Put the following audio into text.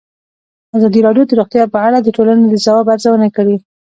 ازادي راډیو د روغتیا په اړه د ټولنې د ځواب ارزونه کړې.